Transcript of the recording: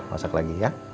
masak lagi ya